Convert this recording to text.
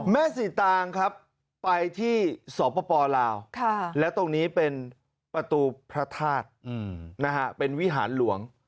แม่สีตางครับไปที่สปลาวและตรงนี้เป็นประตูพระธาตุเป็นวิหารหลวง